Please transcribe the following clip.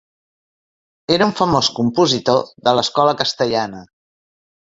Era un famós compositor de l'escola castellana.